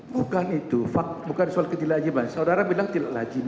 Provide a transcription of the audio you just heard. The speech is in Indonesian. bukan itu bukan soal ketidakajiban saudara bilang tidak lajim